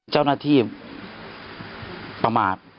เจ้าหน้าที่ประมาท